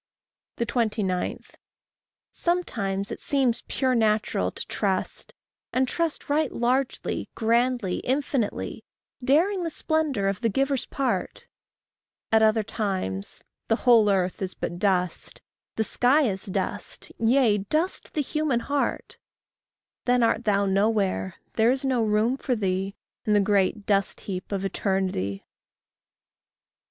29. Sometimes it seems pure natural to trust, And trust right largely, grandly, infinitely, Daring the splendour of the giver's part; At other times, the whole earth is but dust, The sky is dust, yea, dust the human heart; Then art thou nowhere, there is no room for thee In the great dust heap of eternity.